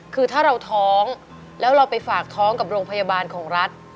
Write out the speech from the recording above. คือถ้าเราท้องแล้วเราไปฝากท้องกับโรงพยาบาลของรัฐ